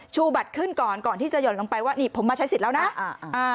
บัตรขึ้นก่อนก่อนที่จะหย่อนลงไปว่านี่ผมมาใช้สิทธิ์แล้วนะอ่าอ่า